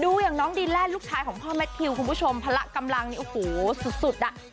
อย่างน้องดีแลนดลูกชายของพ่อแมททิวคุณผู้ชมพละกำลังนี่โอ้โหสุดสุดอ่ะ